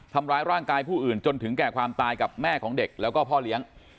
ทำร้ายร่างกายผู้อื่นจนถึงแก่ความตายกับแม่ของเด็กแล้วก็พ่อเลี้ยง